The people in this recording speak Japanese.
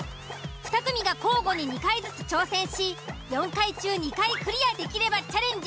２組が交互に２回ずつ挑戦し４回中２回クリアできればチャレンジ